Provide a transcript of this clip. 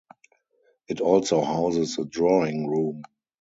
It also houses a drawing room.